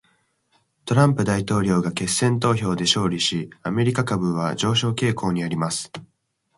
トランプ大統領が決選投票で勝利し、アメリカ株は上昇傾向にあります。